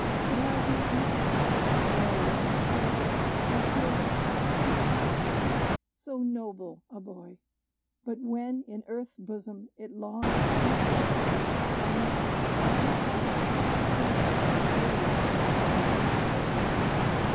It has not much longer to glow with the joy I feel thus to clasp thee, so noble a boy! But when in earth's bosom it long has been cold, A man, thou'lt recall, what, a babe, thou art told."